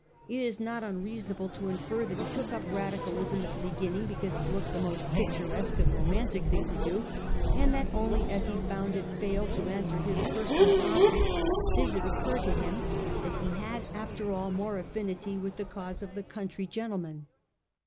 It is not unreasonable to infer that he took up Radical ism at the beginning because it looked the most pic turesque and romantic thing to do, and that only as he found it fail to answer his personal object did it occur to him that he had after all more affinity with the cause of the country gentlemen.